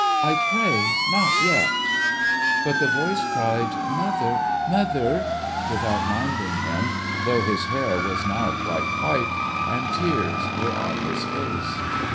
I pray not yet !' But, tlie voice cried, ' Mother, mother !' without minding him, though his hair was now quite white, and tears were on his face.